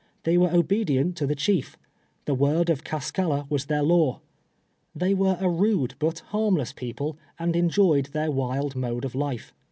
They were obedient to the chief; the word of Cascalla w^as their law. They were a rude but liarmless peo jole, and enjoyed their wild mode of life.